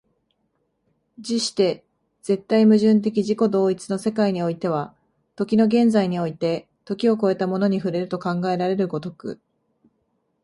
而して絶対矛盾的自己同一の世界においては、時の現在において時を越えたものに触れると考えられる如く、